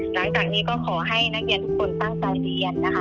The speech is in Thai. หลังจากนี้ก็ขอให้นักเรียนทุกคนตั้งใจเรียนนะคะ